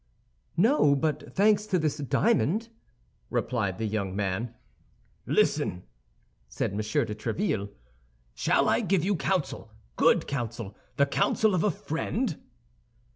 "No; but thanks to this diamond," replied the young man. "Listen," said M. de Tréville; "shall I give you counsel, good counsel, the counsel of a friend?"